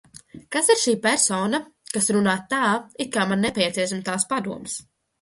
Kas ir šī persona, kas runā tā, it kā man nepieciešams tās padoms?